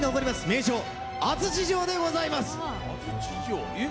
名城・安土城でございます。